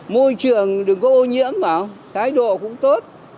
môi trường đừng có ô nhiễm bảo thái độ cũng tốt